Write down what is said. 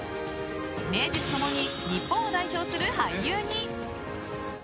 名実共に、日本を代表する俳優に。